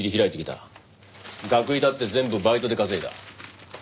学費だって全部バイトで稼いだ。